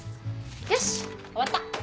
よし終わった！